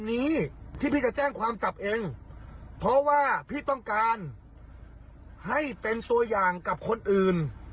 แน่งความจับเองเพราะว่าพี่ต้องการให้เป็นตัวอย่างกับคนอื่น